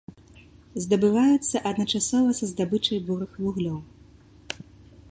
Здабываюцца адначасова са здабычай бурых вуглёў.